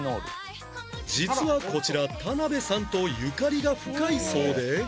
実はこちら田辺さんとゆかりが深いそうで